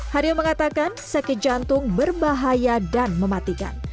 haryo mengatakan sakit jantung berbahaya dan mematikan